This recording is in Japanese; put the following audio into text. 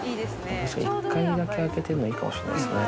確かに１階だけ開けてもいいかもしれないですね。